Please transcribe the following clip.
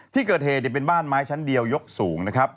ที่เกิดเหตุเป็นบ้านไม้ชั้นเดียวยกสูงนะครับ